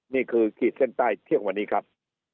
นี่คือพี่เครียญใต้ที่วันนี้ครับ